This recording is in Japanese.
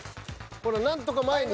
［ほら何とか前に］